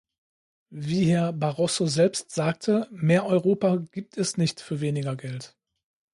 Wie Herr Barroso selbst sagte, mehr Europa gibt es nicht für weniger Geld.